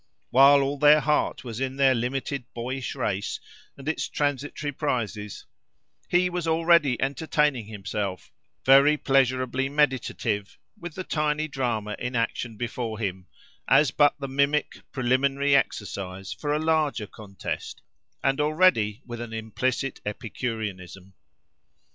While all their heart was in their limited boyish race, and its transitory prizes, he was already entertaining himself, very pleasurably meditative, with the tiny drama in action before him, as but the mimic, preliminary exercise for a larger contest, and already with an implicit epicureanism.